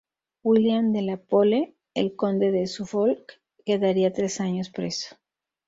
William de la Pole, el Conde de Suffolk, quedaría tres años preso.